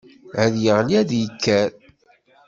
Ad yeɣli ad yekker.